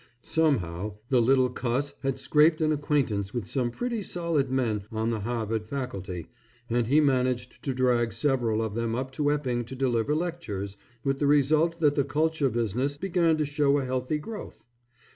Somehow, the little cuss had scraped an acquaintance with some pretty solid men on the Harvard faculty, and he managed to drag several of them up to Epping to deliver lectures, with the result that the culture business began to show a healthy growth.